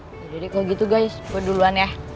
yaudah deh kalau gitu guys gue duluan ya